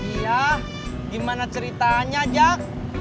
iya gimana ceritanya jat